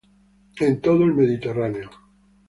En todo el Mediterráneo.